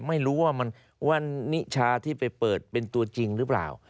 ไม่รู้ว่ามันว่านิชาที่ไปเปิดเป็นตัวจริงหรือเปล่า